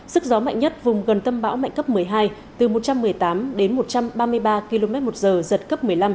sức gió mạnh nhất vùng gần tâm bão mạnh cấp một mươi hai từ một trăm một mươi tám đến một trăm ba mươi ba km một giờ giật cấp một mươi năm